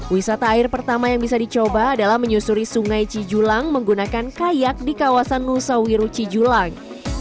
wisata air pertama yang bisa dicoba adalah menyusuri sungai cijulang menggunakan kayak di kawasan nusa wiru cijulang